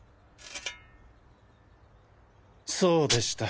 そうでした。